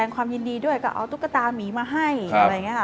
ความยินดีด้วยก็เอาตุ๊กตามีมาให้อะไรอย่างนี้ค่ะ